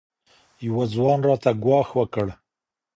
یوه ځوان راته ګواښ وکړ